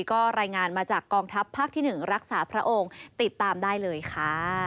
ก็รายงานมาจากกองทัพภาคที่๑รักษาพระองค์ติดตามได้เลยค่ะ